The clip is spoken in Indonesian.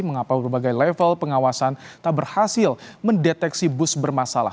mengapa berbagai level pengawasan tak berhasil mendeteksi bus bermasalah